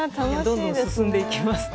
どんどん進んでいきます。